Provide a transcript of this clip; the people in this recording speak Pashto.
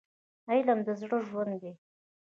علم د زړه ژوند دی.